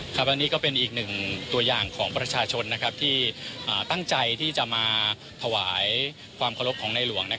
อันนี้ก็เป็นอีกหนึ่งตัวอย่างของประชาชนที่ตั้งใจที่จะมาถวายความเคารพของในหลวง